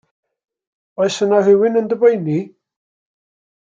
Oes yna rywun yn dy boeni?